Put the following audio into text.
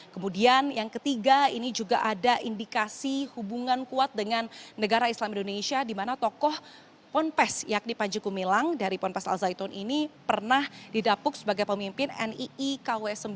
kemudian yang ketiga ini juga ada indikasi hubungan kuat dengan negara islam indonesia di mana tokoh ponpes yakni panji gumilang dari pondok pesantren al zaitun ini pernah didapuk sebagai pemimpin nii kw sembilan